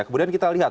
kemudian kita lihat